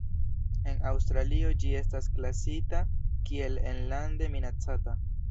En Aŭstralio ĝi estas klasita kiel enlande minacata.